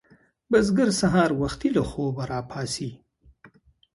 بزګر سهار وختي له خوبه راپاڅي